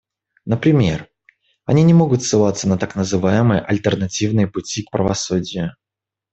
Например, они не могут ссылаться на так называемые альтернативные пути к правосудию.